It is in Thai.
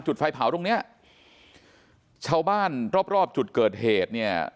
ไฟเผาตรงเนี้ยชาวบ้านรอบรอบจุดเกิดเหตุเนี่ย